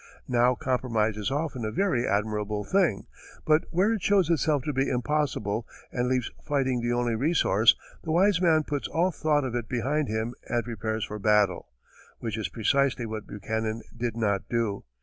Now compromise is often a very admirable thing, but where it shows itself to be impossible and leaves fighting the only resource, the wise man puts all thought of it behind him and prepares for battle. Which is precisely what Buchanan did not do.